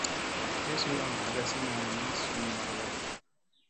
Sle suu aŋ hadazina ni sun maŋga.